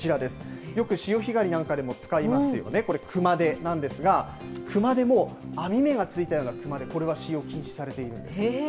よく潮干狩りなんかでも使いますよね、これ、熊手なんですが、熊手も編み目がついたような熊手、これは使用を禁止されているんです。